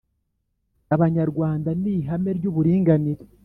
Abanyarwanda n ihame ry uburinganire